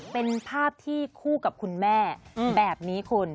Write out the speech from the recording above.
เป็นภาพที่คู่กับคุณแม่แบบนี้คุณ